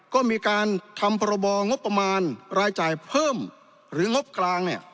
ก็มีการทำพรบงบประมาณรายจ่ายเพิ่มหรืองบกลางเนี่ย